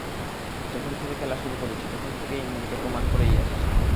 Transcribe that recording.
যখন থেকে খেলা শুরু করেছি তখন থেকেই নিজেকে প্রমাণ করেই আসছি।